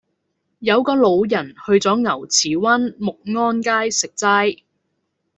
有個老人去左牛池灣沐安街食齋